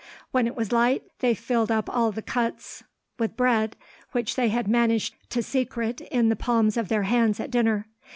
When it was light, they filled up all the cuts with bread, which they had managed to secrete in the palms of their hands at dinner.